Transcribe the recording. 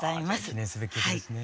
記念すべき歌ですね。